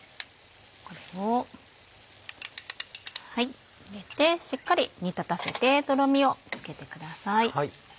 これを入れてしっかり煮立たせてとろみをつけてください。